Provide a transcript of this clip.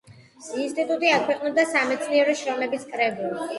ინსტიტუტი აქვეყნებდა სამეცნიერო შრომების კრებულს.